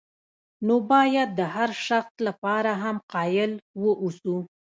نو باید د هر شخص لپاره هم قایل واوسو.